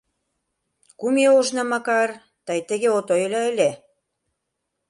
Кум ий ожно, Макар, тый тыге от ойло ыле.